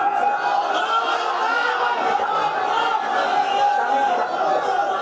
kami tidak akan kejar